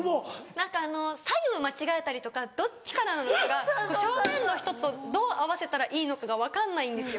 何か左右を間違えたりとかどっちからなのかが正面の人とどう合わせたらいいのかが分かんないんですよ。